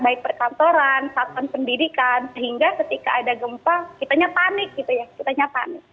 baik perkantoran satuan pendidikan sehingga ketika ada gempa kita nyapanik gitu ya